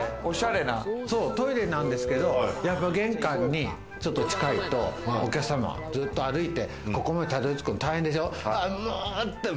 トイレなんですけど玄関に近いとお客様ずっと歩いてここまでたどり着くの大変でしょ。